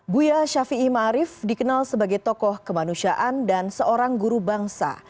buya shafi'i ma'arif dikenal sebagai tokoh kemanusiaan dan seorang guru bangsa